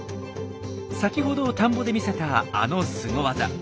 先ほど田んぼで見せたあのスゴワザ。